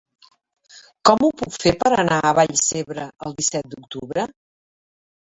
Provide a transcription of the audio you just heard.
Com ho puc fer per anar a Vallcebre el disset d'octubre?